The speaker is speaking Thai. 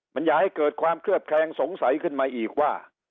มันอย่าให้เกิดความเคลือบแคลงสงสัยขึ้นมาอีกว่า